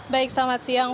baik selamat siang